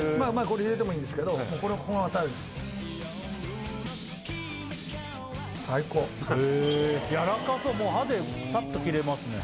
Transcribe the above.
これ入れてもいいんですけどこれをこのまま食べるやわらかそうもう歯でさっと切れますね